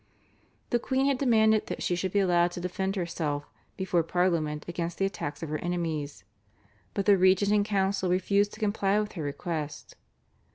The queen had demanded that she should be allowed to defend herself before Parliament against the attacks of her enemies, but the regent and council refused to comply with her request.